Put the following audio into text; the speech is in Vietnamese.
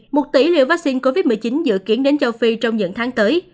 một tỷ liệu vắc xin covid một mươi chín dự kiến đến châu phi trong những tháng tới